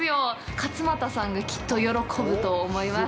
勝俣さんがきっと喜ぶと思います。